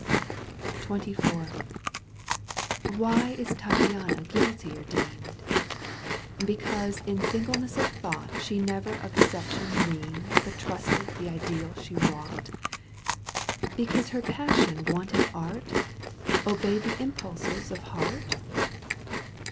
XXIV. ^ Why is Tattiana guUtier deemed ?— Because in singleness of thought She never of deception dreamed But trusted the ideal she wrought ?— Because her passion wanted art, Obeyed the impulses of heart